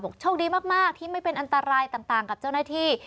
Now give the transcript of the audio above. โชคดีมากที่ไม่เป็นอันตรายต่างกับเจ้าหน้าที่